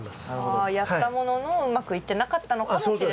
あやったもののうまくいってなかったのかもしれないっていう。